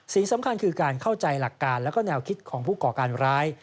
สิ่งสำคัญคือการเข้าใจหลักการแล้วก็แนวคิดของผู้ก่อการร้าย